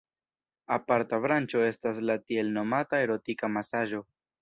Aparta branĉo estas la tiel nomata erotika masaĝo.